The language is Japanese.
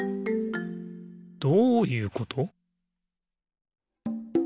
どういうこと？